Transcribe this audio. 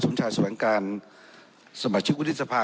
สมชายสวัสดิ์การสมาชิกวุฒิสภา